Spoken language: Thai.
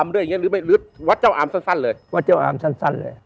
วัดเจ้าอามคราบรามอย่างงี้หรือวัดเจ้าอามสั้นเลย